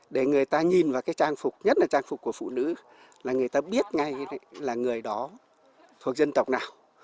để người ta nhìn vào cái trang phục nhất là trang phục của phụ nữ là người ta biết ngay là người đó thuộc dân tộc nào